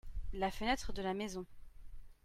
La fenêtre de la maison.